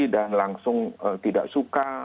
dan langsung tidak suka